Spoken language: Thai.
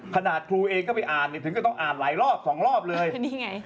ขนาดครูเองก็ไปอ่านถึงก็ต้องอ่านหลายรอบสองรอบเลย